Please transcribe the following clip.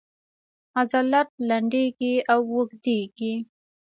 عضلات لنډیږي او اوږدیږي